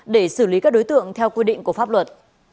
để xử lý các đối tượng theo quy định của pháp luật